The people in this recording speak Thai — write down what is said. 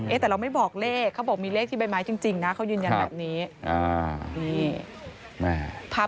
เอ้ยเราไม่บอกเลขเขาบอกมีเลขที่ใบไม้จริงนะ